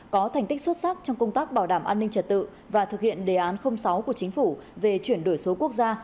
có thành tích xuất sắc trong công tác bảo đảm an ninh trật tự và thực hiện đề án sáu của chính phủ về chuyển đổi số quốc gia